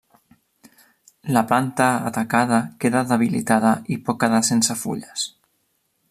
La planta atacada queda debilitada i pot quedar sense fulles.